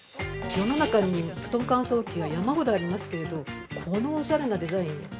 世の中に布団乾燥機は山ほどありますけれど、このおしゃれなデザイン。